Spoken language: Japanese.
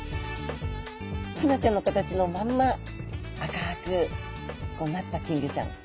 フナちゃんの形のまんま赤くなった金魚ちゃん。